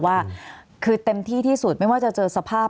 ว่าคือเต็มที่ที่สุดไม่ว่าจะเจอสภาพ